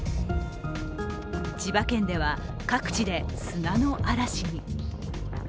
千葉県では、各地で砂の嵐に。